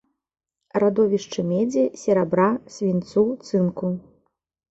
Радовішчы медзі, серабра, свінцу, цынку.